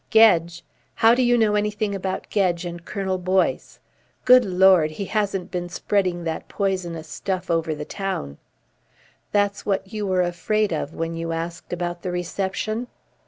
"Gedge? How do you know anything about Gedge and Colonel Boyce? Good Lord! He hasn't been spreading that poisonous stuff over the town?" "That's what you were afraid of when you asked about the reception?"